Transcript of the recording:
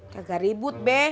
gak ribut be